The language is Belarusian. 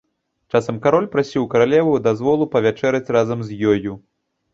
Часам кароль прасіў у каралевы дазволу павячэраць разам з ёю.